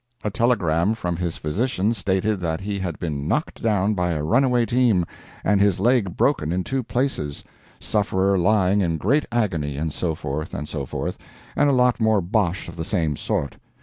A telegram from his physician stated that he had been knocked down by a runaway team, and his leg broken in two places sufferer lying in great agony, and so forth, and so forth, and a lot more bosh of the same sort.